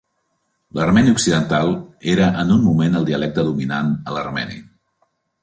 L'armeni occidental era en un moment el dialecte dominant a l'armeni.